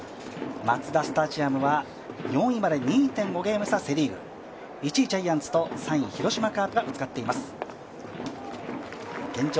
マツダスタジアムは４位まで２．５ゲーム差、１位ジャイアンツと３位広島カープがぶつかっています現状